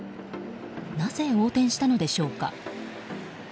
なぜ横転したのでしょうか。